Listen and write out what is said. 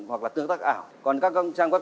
hoặc là tương tác ảo còn các trang web